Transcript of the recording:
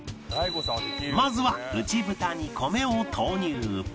まずは内蓋に米を投入